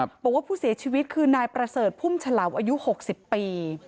บอกว่าผู้เสียชีวิตคือนายประเสริฐพุ่มฉลาอายุ๖๐ปี